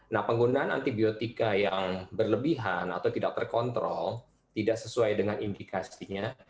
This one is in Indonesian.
nah penggunaan antibiotika yang berlebihan atau tidak terkontrol tidak sesuai dengan indikasinya